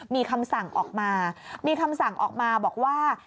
มีคำสั่งออกมาบอกว่า